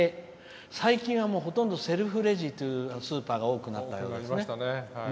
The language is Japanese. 最近はセルフレジというスーパーが多くなったようですね。